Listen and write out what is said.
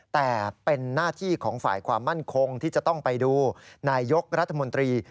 แต่เป็นหน้าที่ของฝ่ายความมั่นคงที่จะต้องไปดูนายยกรัฐมนตรี